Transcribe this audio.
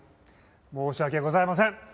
申し訳ございません。